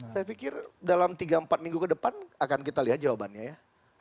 saya pikir dalam tiga empat minggu ke depan akan kita lihat jawabannya ya